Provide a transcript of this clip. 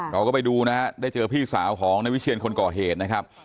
เราก็ไปดูนะฮะได้เจอพี่สาวของนายวิเชียนคนก่อเหตุนะครับ